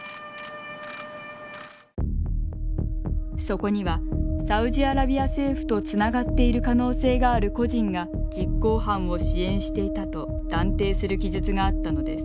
そこにはサウジアラビア政府とつながっている可能性がある個人が実行犯を支援していたと断定する記述があったのです。